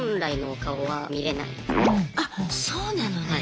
あっそうなのね！